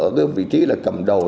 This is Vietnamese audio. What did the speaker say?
ở cái vị trí là cầm đầu